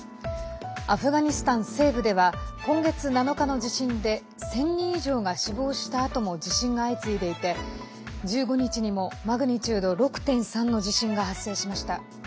アフガニスタン西部では今月７日の地震で１０００人以上が死亡したあとも地震が相次いでいて１５日にもマグニチュード６．３の地震が発生しました。